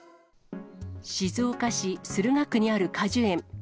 静岡市駿河区にある果樹園。